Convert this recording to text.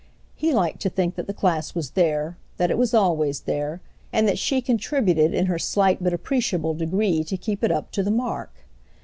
He liked to think that the class was there, that it was always there, and that she contributed in her slight but appreciable degree to keep it up to the mark.